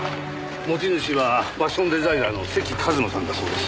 持ち主はファッションデザイナーの関一馬さんだそうです。